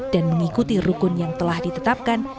dan mengikuti rukun yang telah ditetapkan